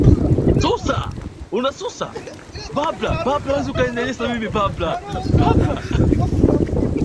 afu pili kitu ambacho mimi kinanifanya mimi nisimkubali ndugu jakaya kikwete